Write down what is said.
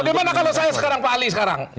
dimana kalau saya sekarang pak ali sekarang